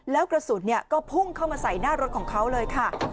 แล้วกระสุนก็พุ่งเข้ามาใส่หน้ารถของเขาเลยค่ะ